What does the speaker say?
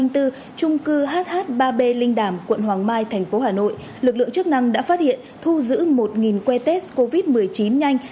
trung cư hh ba b linh đàm quận hoàng mai thành phố hà nội lực lượng chức năng đã phát hiện thu giữ một que test covid một mươi chín nhanh